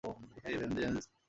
হেই, vengeance!